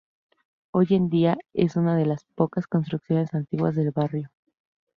Hoy en día es una de las pocas construcciones antiguas del barrio.